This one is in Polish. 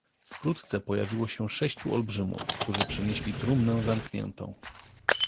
"Wkrótce pojawiło się sześciu olbrzymów, którzy przynieśli trumnę zamkniętą."